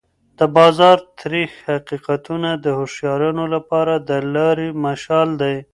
د بازار تریخ حقیقتونه د هوښیارانو لپاره د لارې مشال دی.